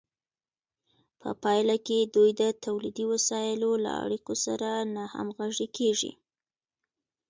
په پایله کې دوی د تولیدي وسایلو له اړیکو سره ناهمغږې کیږي.